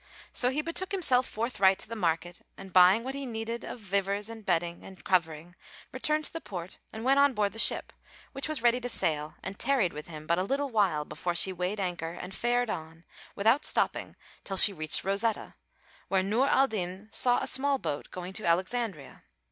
So he betook himself forthright to the market and buying what he needed of vivers and bedding and covering, returned to the port and went on board the ship, which was ready to sail and tarried with him but a little while before she weighed anchor and fared on, without stopping, till she reached Rosetta,[FN#442] where Nur al Din saw a small boat going to Alexandria.